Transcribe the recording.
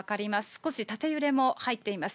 少し縦揺れも入っています。